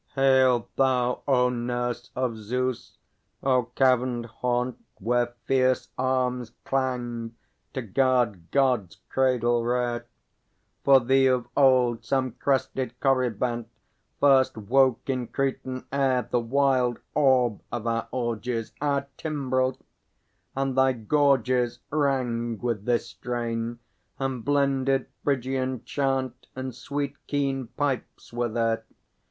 _ Hail thou, O Nurse of Zeus, O Caverned Haunt Where fierce arms clanged to guard God's cradle rare, For thee of old some crested Corybant First woke in Cretan air The wild orb of our orgies, Our Timbrel; and thy gorges Rang with this strain; and blended Phrygian chant And sweet keen pipes were there.